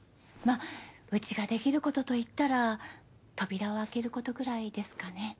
まっうちができることといったら扉を開けることくらいですかね。